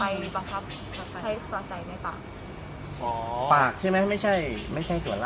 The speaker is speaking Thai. ไหวมีบางครับในปากใช่ไหมไม่ใช่ไม่ใช่ส่วน